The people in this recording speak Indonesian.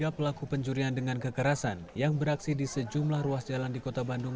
tiga pelaku pencurian dengan kekerasan yang beraksi di sejumlah ruas jalan di kota bandung